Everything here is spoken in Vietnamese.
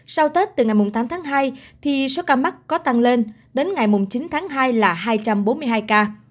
sau tết từ ngày tám tháng hai thì số ca mắc có tăng lên đến ngày chín tháng hai là hai trăm bốn mươi hai ca